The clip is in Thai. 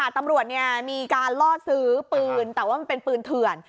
ตำรวจมีการล่อซื้อปืนแต่ว่ามันเป็นปืนเถื่อน